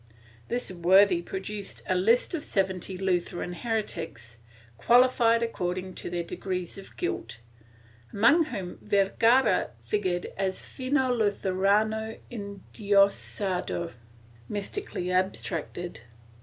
This worthy produced a list of seventy Lutheran heretics, quali fied according to their degrees of guilt, among whom Vergara figured as fino lutherano endiosado (mystically abstracted).